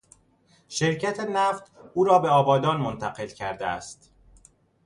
شرکت نفت او را به آبادان منتقل کرده است.